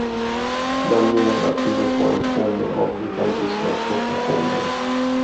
Lämningarna tyder på en fågel av gigantiska proportioner.